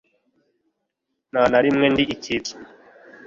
nta na rimwe ndi icyitso